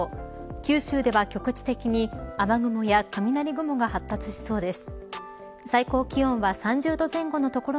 九州は局地的に雨雲や雷雲が発達しそうです。